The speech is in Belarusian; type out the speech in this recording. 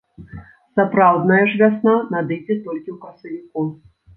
Сапраўдная ж вясна надыдзе толькі ў красавіку.